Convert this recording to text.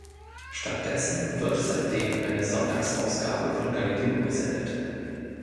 Stattdessen wird seitdem eine Sonntagsausgabe von Galileo gesendet.